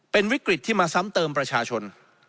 เป็นวิกฤตที่มาซ้ำเติมประชาชน